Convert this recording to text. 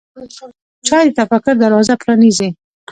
چای د تفکر دروازه پرانیزي.